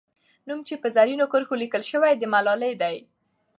نوم چې په زرینو کرښو لیکل سوی، د ملالۍ دی.